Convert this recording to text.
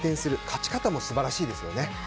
勝ち方も素晴らしいですよね。